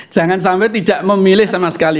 jangan sampai tidak memilih sama sekali